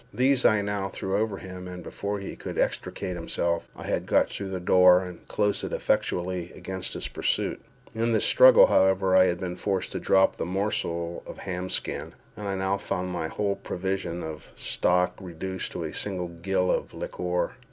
These I now threw over him, and before he could extricate himself, I had got through the door and closed it effectually against his pursuit. In this struggle, however, I had been forced to drop the morsel of ham skin, and I now found my whole stock of provisions reduced to a single gill of liqueur.